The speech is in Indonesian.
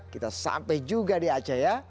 kita sampai juga di aceh ya